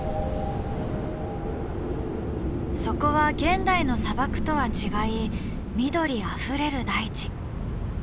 そこは現代の砂漠とは違い緑あふれる大地。